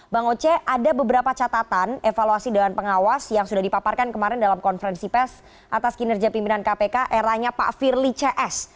bang oce ada beberapa catatan evaluasi dewan pengawas yang sudah dipaparkan kemarin dalam konferensi pes atas kinerja pimpinan kpk eranya pak firly cs